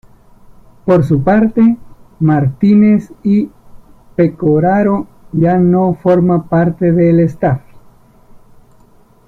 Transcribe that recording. Por su parte, Martínez y Pecoraro ya no forman parte del staff.